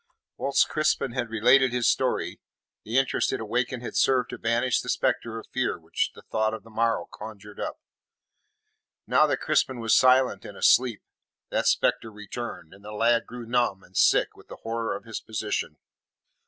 Whilst Crispin had related his story, the interest it awakened had served to banish the spectre of fear which the thought of the morrow conjured up. Now that Crispin was silent and asleep, that spectre returned, and the lad grew numb and sick with the horror of his position.